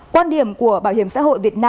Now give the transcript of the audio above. quan điểm của bảo hiểm xã hội việt nam